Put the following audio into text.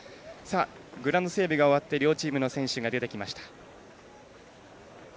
グラウンド整備が終わって両チームの選手が出てきました。